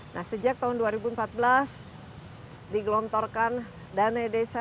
nah sejak tahun dua ribu empat belas digelontorkan dana desa